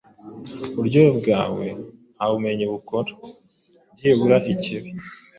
Uburyohe bwawe nta bumenyi bukora, byibura ikibi,